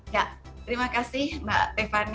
ya terima kasih mbak tiffany